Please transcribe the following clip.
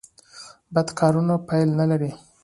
بد کارونه پایله نلري